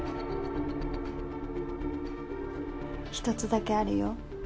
ひとつだけあるよ。